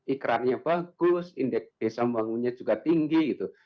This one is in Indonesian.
ikrarnya bagus indeks desa membangunnya juga tinggi gitu